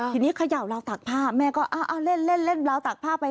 ทีนี้เขย่าราวตากผ้าแม่ก็เอาเล่นเล่นราวตากผ้าไป